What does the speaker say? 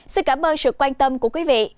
xin cảm ơn sự quan tâm của quý vị